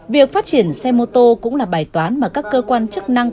việc phát triển xe mô tô cũng là bài toán mà các cơ quan chức năng